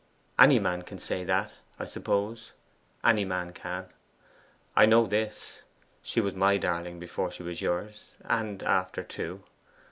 'Any man can say that, I suppose; any man can. I know this, she was MY darling before she was yours; and after too.